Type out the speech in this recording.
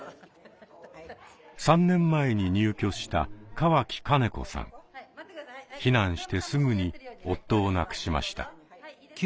３年前に入居した避難してすぐに夫を亡くしました。